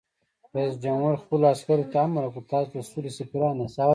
رئیس جمهور خپلو عسکرو ته امر وکړ؛ تاسو د سولې سفیران یاست!